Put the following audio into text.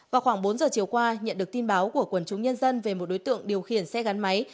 vào khoảng bốn giờ chiều qua nhận được tin báo của quần chúng nhân dân về một đối tượng điều khiển xe gắn máy